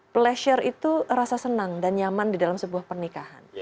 pleasure itu rasa senang dan nyaman di dalam sebuah pernikahan